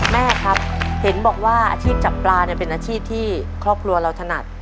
แม่ครับเห็นบอกว่าอาชีพจับปลาเนี่ยเป็นอาชีพที่ครอบครัวเราถนัด